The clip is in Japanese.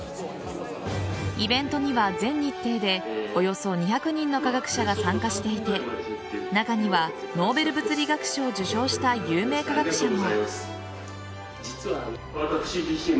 イベントには全日程でおよそ２００人の科学者が参加していて中にはノーベル物理学賞を受賞した有名科学者も。